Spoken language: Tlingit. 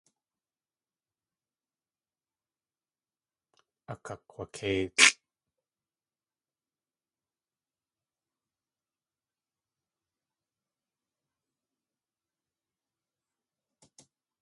Akakg̲wakéilʼ.